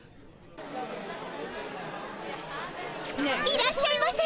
いらっしゃいませ。